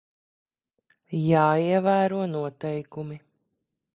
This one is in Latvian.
Jāievēro noteikumi.